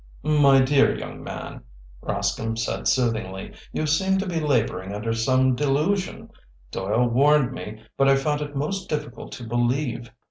"My dear young man," Rascomb said soothingly, "you seem to be laboring under some delusion. Doyle warned me, but I found it most difficult to believe."